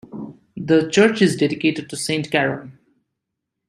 The church is dedicated to Saint Caron.